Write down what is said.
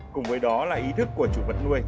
cùng với đó là ý thức của chủ vật nuôi